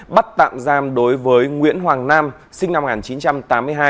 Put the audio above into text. bắt tạm giam đối với nguyễn hoàng nam sinh năm một nghìn chín trăm tám mươi hai